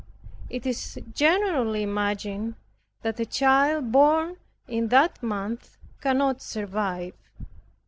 It is generally imagined that a child born in that month cannot survive.